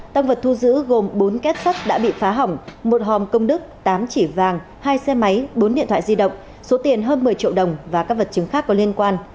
tăng vật thu giữ gồm bốn két sắc đã bị phá hỏng một hòm công đức tám chỉ vàng hai xe máy bốn điện thoại di động số tiền hơn một mươi triệu đồng và các vật chứng khác có liên quan